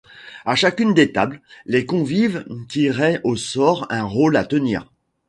À chacune des tables, les convives tiraient au sort un rôle à tenir.